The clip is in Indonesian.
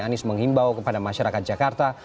anies menghimbau kepada masyarakat jakarta